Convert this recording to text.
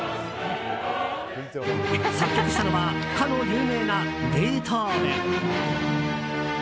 作曲したのはかの有名なベートーヴェン。